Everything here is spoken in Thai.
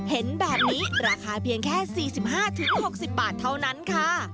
เห็นแบบนี้ราคาเพียงแค่๔๕๖๐บาทเท่านั้นค่ะ